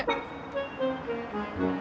aku mau lihat